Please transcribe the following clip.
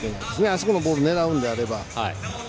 あそこのボールを狙うのであれば。